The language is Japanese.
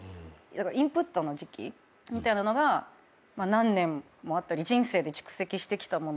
インプットの時期みたいなのが何年もあったり人生で蓄積してきたもの。